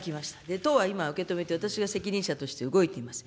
党が今受け止めて、私が責任者として動いています。